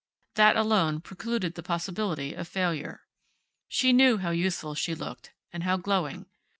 That alone precluded the possibility of failure. She knew how youthful she looked, and how glowing.